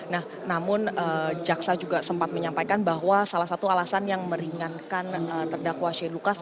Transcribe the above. nah namun jaksa juga sempat menyampaikan bahwa salah satu alasan yang meringankan terdakwa shane lucas